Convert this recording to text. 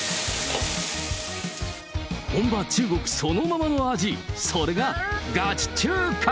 本場、中国そのままの味、それがガチ中華。